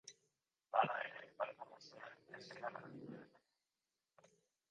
Hala ere, banku guztiak ez dira berdinak.